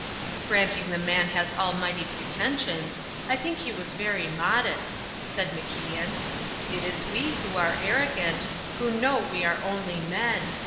"Granting the man his almighty pretensions, I think he was very modest," said MacIan. "It is we who are arrogant, who know we are only men.